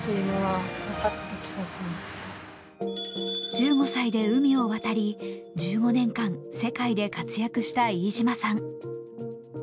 １５歳で海を渡り、１５年間世界で活躍した飯島さん。